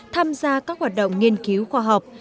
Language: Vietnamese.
tham gia các hoạt động nghiên cứu khoa học